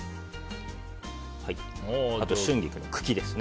あと春菊の茎ですね。